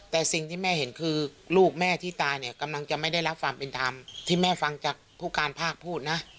แต่สิ่งที่แม่เห็นคือลูกแม่ที่ตายเนี่ยกำลังจะไม่ได้รับความเป็นธรรมที่แม่ฟังจากผู้การภาคพูดนะ